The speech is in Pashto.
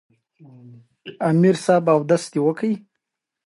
کینه دې ورک شي.